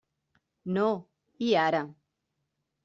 No, i ara!